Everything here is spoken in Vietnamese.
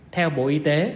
theo bộ y tế